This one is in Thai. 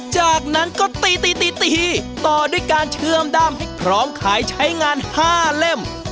จากนั้นก็ตีตีต่อด้วยการเชื่อมด้ามให้พร้อมขายใช้งาน๕เล่ม